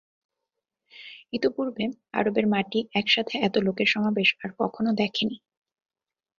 ইতোপূর্বে আরবের মাটি একসাথে এত লোকের সমাবেশ আর কখনো দেখেনি।